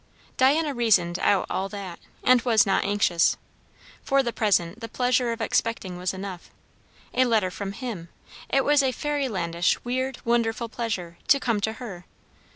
Diana reasoned out all that, and was not anxious. For the present, the pleasure of expecting was enough. A letter from him; it was a fairylandish, weird, wonderful pleasure, to come to her.